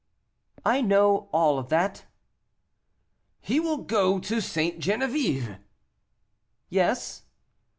"I know all that." "He will go to St. Geneviève " "Yes."